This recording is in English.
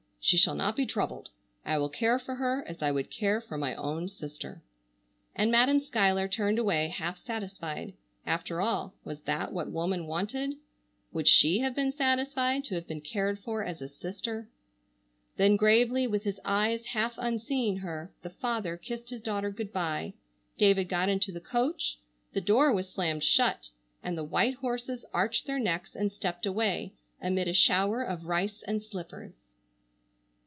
She shall not be troubled. I will care for her as I would care for my own sister." And Madam Schuyler turned away half satisfied. After all, was that what woman wanted? Would she have been satisfied to have been cared for as a sister? Then gravely, with his eyes half unseeing her, the father kissed his daughter good bye, David got into the coach, the door was slammed shut, and the white horses arched their necks and stepped away, amid a shower of rice and slippers.